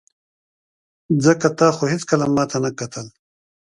ځکه تا خو هېڅکله ماته نه کتل.